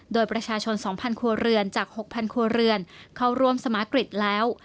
โดยประชาชน๒๐๐ครัวเรือนจาก๖๐๐ครัวเรือนเข้าร่วมสมากริตแล้ว